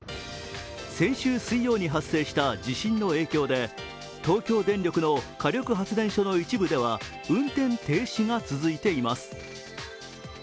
先週水曜に発生した地震の影響で東京電力の火力発電所の一部では運転停止が続いています。